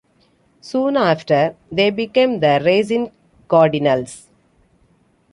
Soon after, they became the "Racine Cardinals".